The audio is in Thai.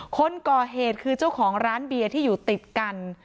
คนก่อเหตุคือเจ้าของร้านเบียร์ที่อยู่ติดกัน